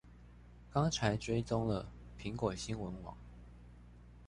剛才追蹤了蘋果新聞網